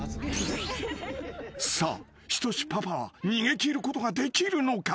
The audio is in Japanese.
［さあひとしパパは逃げ切ることができるのか？］